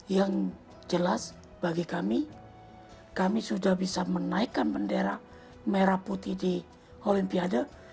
yang jelas bagi kami kami sudah bisa menaikkan bendera merah putih di olimpiade